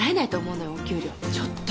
ちょっと。